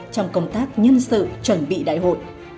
trong công tác nhân sự chuẩn bị đại hội